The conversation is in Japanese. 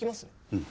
うん。